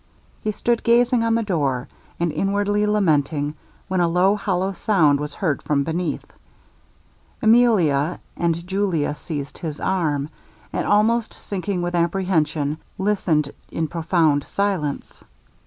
He stood gazing on the door, and inwardly lamenting, when a low hollow sound was heard from beneath. Emilia and Julia seized his arm; and almost sinking with apprehension, listened in profound silence.